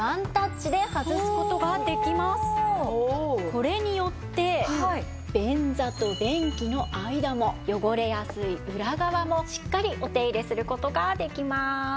これによって便座と便器の間も汚れやすい裏側もしっかりお手入れする事ができます。